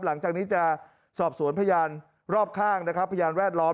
หลังจากนี้จะสอบสวนพยานรอบข้างนะครับพยานแวดล้อม